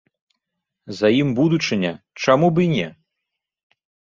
За ім будучыня, чаму б і не!